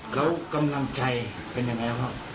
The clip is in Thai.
เขากำลังใจเป็นยังไงบ้าง